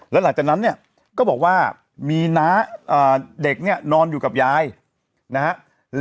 แล้วหลังจากนั้นเนี่ยก็บอกว่ามีน้าเด็กเนี่ยนอนอยู่กับยายนะฮะ